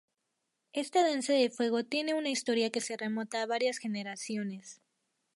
Esta Danza de Fuego tiene una historia que se remonta a varias generaciones.